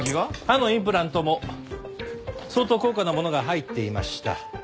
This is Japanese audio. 歯のインプラントも相当高価なものが入っていました。